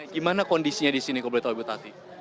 gimana kondisinya di sini kalau boleh tahu ibu tati